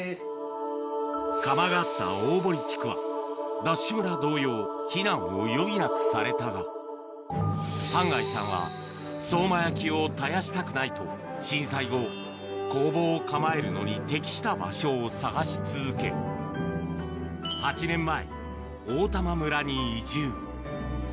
窯があった大堀地区は、ＤＡＳＨ村同様、避難を余儀なくされたが、半谷さんは相馬焼を絶やしたくないと、震災後、工房を構えるのに適した場所を探し続け、８年前、大玉村に移住。